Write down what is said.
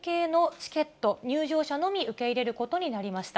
チケット、入場者のみ受け入れることになりました。